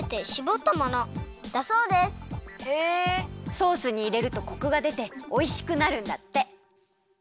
ソースにいれるとコクがでておいしくなるんだって。